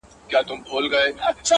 ګلکده به ستا تر پښو لاندي بیدیا سي,